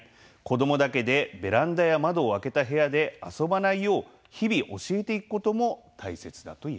子どもだけでベランダや窓を開けた部屋で遊ばないよう日々教えていくことも大切だといえます。